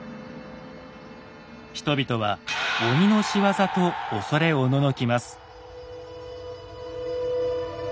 人々は鬼の仕業と恐れおののきます。